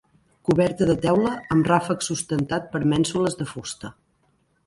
Coberta de teula amb ràfec sustentat per mènsules de fusta.